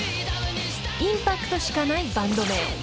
［インパクトしかないバンド名］